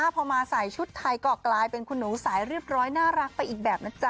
พอมาใส่ชุดไทยก็กลายเป็นคุณหนูสายเรียบร้อยน่ารักไปอีกแบบนะจ๊